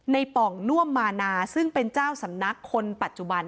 ป่องน่วมมานาซึ่งเป็นเจ้าสำนักคนปัจจุบัน